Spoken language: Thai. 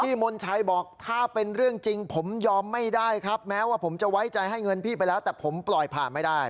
มนชัยบอกถ้าเป็นเรื่องจริงผมยอมไม่ได้ครับแม้ว่าผมจะไว้ใจให้เงินพี่ไปแล้วแต่ผมปล่อยผ่านไม่ได้